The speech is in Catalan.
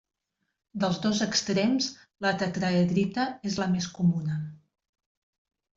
Dels dos extrems, la tetraedrita és la més comuna.